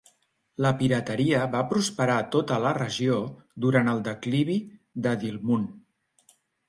La pirateria va prosperar a tota la regió durant el declivi de Dilmun.